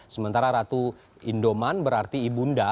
sementara ratu indoman berarti ibunda